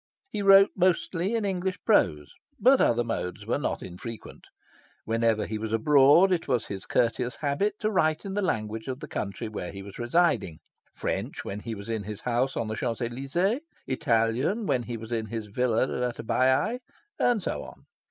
He wrote mostly in English prose; but other modes were not infrequent. Whenever he was abroad, it was his courteous habit to write in the language of the country where he was residing French, when he was in his house on the Champs Elysees; Italian, when he was in his villa at Baiae; and so on.